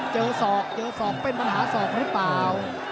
ศอกเจอศอกเป็นปัญหาศอกหรือเปล่า